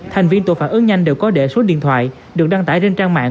thành viên tổ phản ứng nhanh đều có để số điện thoại được đăng tải trên trang mạng